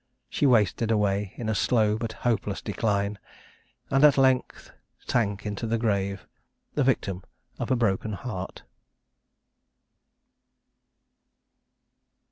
She wasted away in a slow, but hopeless decline; and at length sank into the grave, the victim of a broken heart."